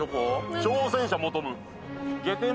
「挑戦者求ム」